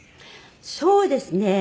そうですね